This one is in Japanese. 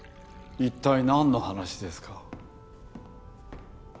一体何の話ですか？